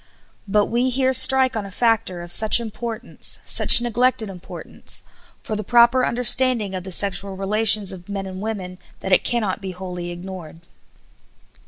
But we here strike on a factor of such importance, such neglected importance, for the proper understanding of the sexual relations of men and women, that it cannot be wholly ignored.